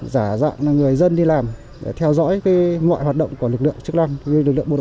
giả dạng người dân đi làm để theo dõi mọi hoạt động của lực lượng chức năng như lực lượng bộ đội